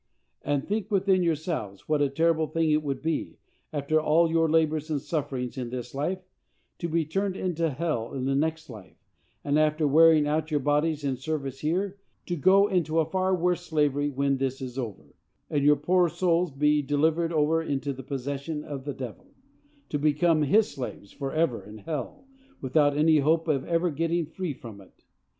And think within yourselves, what a terrible thing it would be, after all your labors and sufferings in this life, to be turned into hell in the next life, and, after wearing out your bodies in service here, to go into a far worse slavery when this is over, and your poor souls be delivered over into the possession of the devil, to become his slaves forever in hell, without any hope of ever getting free from it!